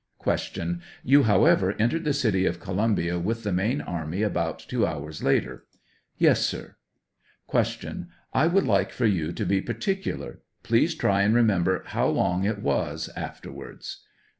Q. You, however, ent'ered the city of Columbia with the main army about two hours later ? A. Yes, sir. Q. I would like for you to be particular ; please try and remember how long it was afterwards